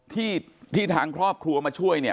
ที่ทางครอบครัวมาช่วยเนี่ย